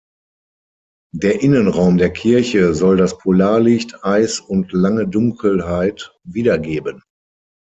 Der Innenraum der Kirche soll das Polarlicht, Eis und lange Dunkelheit wiedergeben.